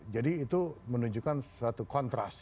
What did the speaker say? jadi itu menunjukkan satu kontras